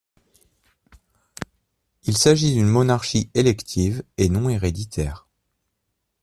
Il s'agit d'une monarchie élective et non héréditaire.